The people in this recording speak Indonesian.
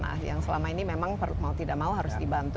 nah yang selama ini memang mau tidak mau harus dibantu